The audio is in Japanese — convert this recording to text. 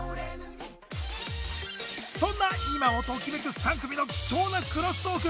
そんな今をときめく３組の貴重なクロストーク！